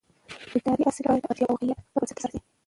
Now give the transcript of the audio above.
اداري اصلاحات باید د اړتیا او واقعیت پر بنسټ ترسره شي